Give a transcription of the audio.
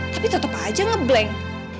tapi tetep aja ngeblank